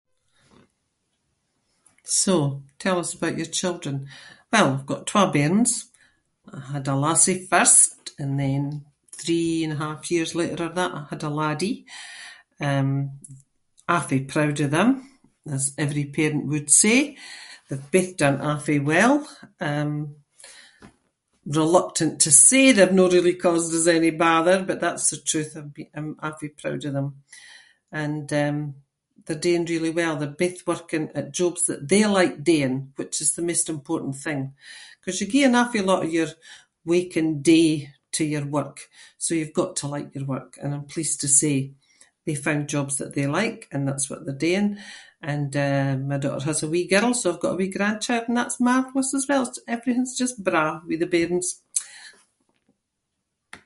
So, tell us about your children. Well, I’ve got twa bairns. I had a lassie first and then three-and-a-half years later I had that- I had a laddie. Um, awfu' proud of them as every parent would say. They’ve both done awfu' well. Um, reluctant to say they’ve no really caused us any bother but that’s the truth. I’ve be- I'm awfu' proud of them and um they’re doing really well. They’re both working at jobs that they like doing which is the maist important thing, ‘cause you gie an awfu' lot of your week and day to your work, so you’ve got to like your work and I’m pleased to say they found jobs that they like and that’s what they’re doing, and um my daughter has a wee girl so I’ve got a wee grandchild and that’s marvellous as well. J- everything’s just braw with the bairns.